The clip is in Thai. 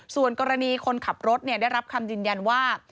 ส่วนกรณีคนขับรถได้รับคำยืนยันว่า